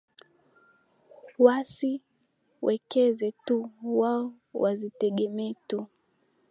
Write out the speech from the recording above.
wasi wekeze tu wao wazitegemee tu